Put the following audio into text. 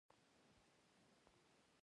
د ژورې څاه کیندل اجازه غواړي؟